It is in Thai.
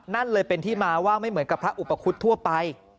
นั่นเลยเป็นที่มาว่าไม่เหมือนกับพระอุปคุฎทั่วไป